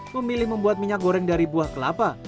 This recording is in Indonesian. memilih membuat minyak goreng dari buah kelapa